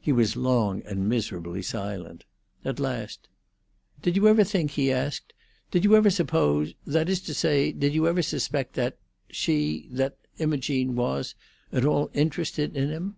He was long and miserably silent. At last, "Did you ever think," he asked, "did you ever suppose—that is to say, did you ever suspect that—she—that Imogene was—at all interested in him?"